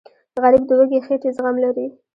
غریب د وږې خېټې زغم لري